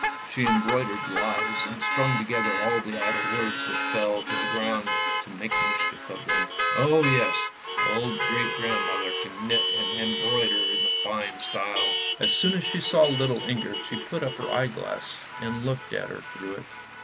She embroidered lies, and strung together all the idle words which fell to the ground, to make mischief of them. O yes, old great grand mother can knit and embroider in fine style. As soon as she saw little Inger, she put up her eye glass and looked at her through it.